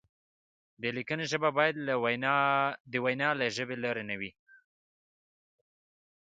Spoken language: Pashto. د لیکنې ژبه باید د وینا له ژبې لرې نه وي.